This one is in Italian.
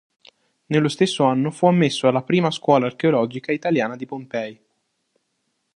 Nello stesso anno fu ammesso alla Prima Scuola Archeologica Italiana di Pompei.